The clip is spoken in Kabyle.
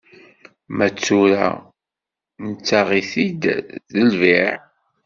Ma d tura, nettaɣ-it-id d lbiɛ.